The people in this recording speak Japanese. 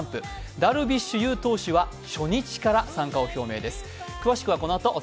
ダルビッシュ有投手は初日から参加を表明です。